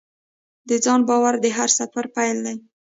د ځان باور د هر سفر پیل دی.